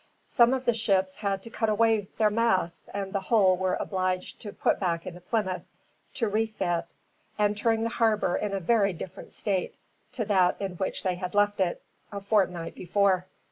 Some of the ships had to cut away their masts, and the whole were obliged to put back into Plymouth, to refit, entering the harbor in a very different state to that in which they had left it, a fortnight before.